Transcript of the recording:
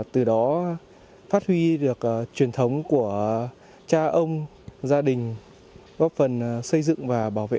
từ đó phát huy được truyền thống của cha ông gia đình góp phần xây dựng và bảo vệ